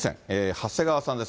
長谷川さんです。